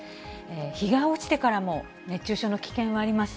日が落ちてからも熱中症の危険はあります。